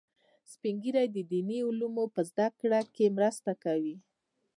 سپین ږیری د دیني علومو په زده کړه کې مرسته کوي